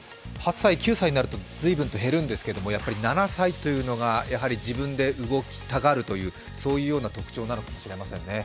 ８歳９歳になると随分と減るんですけどやっぱり７歳というのが、自分で動きたがるという、そういうような特徴なのかもしれないですね。